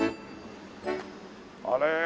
あれ？